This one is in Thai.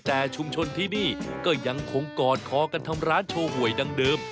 แต่ชุมชนที่นี่ก็ยังคงกอดคอกันทำร้านโชว์หวยดังเดิม